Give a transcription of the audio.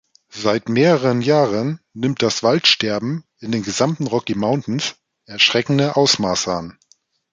Seit mehreren Jahren nimmt das Waldsterben in den gesamten Rocky Mountains erschreckende Ausmaße an.